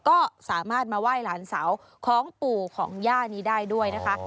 ก็สามารถมาไหว้หลานสาวของปู่ของย่านี้ได้ด้วยนะคะ